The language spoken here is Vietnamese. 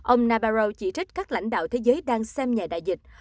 ông nabarow chỉ trích các lãnh đạo thế giới đang xem nhẹ đại dịch